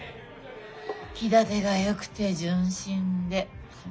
気立てがよくて純真で。